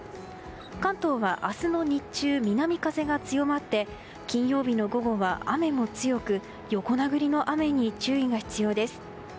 関東は明日の日中南風が強まって金曜日の午後は雨も強く横殴りの雨に注意が必要です。